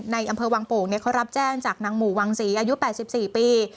ในอำเภอวังโป่งเขารับแจ้งจากนางหมู่วังศรีอายุ๘๔ปี